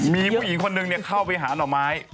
มีผู้หญิงคนนึงเนี่ยเข้าไปหานอ่อนไม้